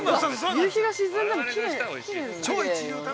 夕日が沈んだら、きれいですね。